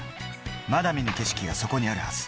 まだ見ぬ景色がそこにあるはず。